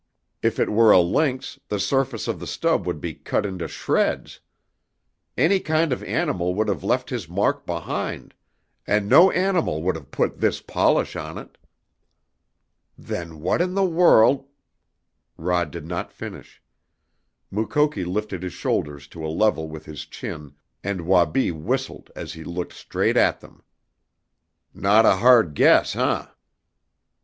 If it were a lynx, the surface of the stub would be cut into shreds. Any kind of animal would have left his mark behind, and no animal would have put this polish on it!" "Then what in the world " Rod did not finish. Mukoki lifted his shoulders to a level with his chin, and Wabi whistled as he looked straight at him. "Not a hard guess, eh?"